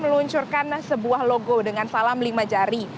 meluncurkan sebuah logo dengan salam lima jari